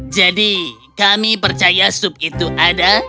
jadi kami percaya sup itu ada